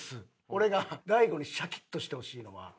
俺が大悟にシャキッとしてほしいのは。